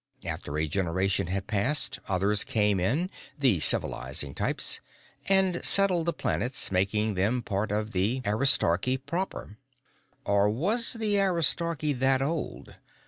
After a generation had passed, others came in the civilizing types and settled the planets, making them part of the Aristarchy proper. (Or was the Aristarchy that old?